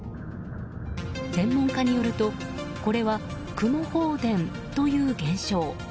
専門家によるとこれは雲放電という現象。